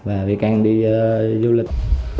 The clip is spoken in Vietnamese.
và bị can đi du lịch